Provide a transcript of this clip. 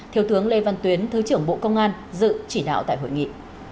thiếu tướng lê văn tuyến thứ trưởng bộ công an dự chỉ đạo tại hội nghị